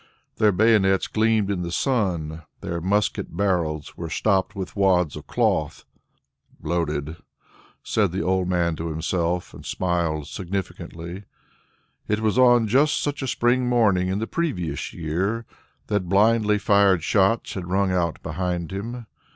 Their bayonets gleamed in the sun, their musket barrels were stopped with wads of cloth. "Loaded," said the old man to himself and smiled significantly. It was on just such a spring morning in the previous year that blindly fired shots had rung out behind him.